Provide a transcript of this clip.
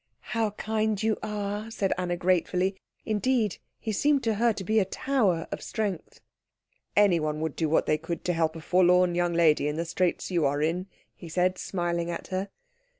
"How kind you are," said Anna gratefully; indeed, he seemed to her to be a tower of strength. "Anyone would do what they could to help a forlorn young lady in the straits you are in," he said, smiling at her.